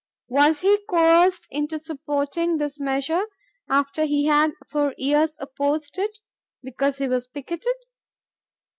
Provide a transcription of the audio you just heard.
Was he coerced into supporting this measure—after he had for years opposed it—because he was picketed?